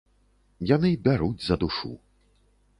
Яны бяруць за душу!